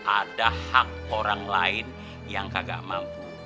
ada hak orang lain yang kagak mampu